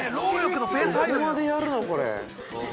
◆どこまでやるの、これ。